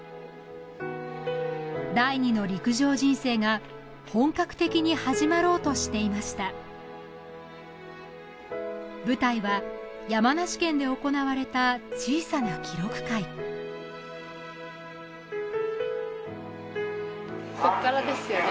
第二の陸上人生が本格的に始まろうとしていました舞台は山梨県で行われた小さな記録会こっからですよね